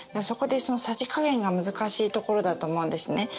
そこで、さじ加減が難しいところだと思うんですね。